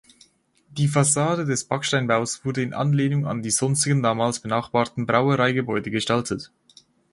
Die Fassade des Backsteinbaus wurde in Anlehnung an die sonstigen damals benachbarten Brauereigebäude gestaltet.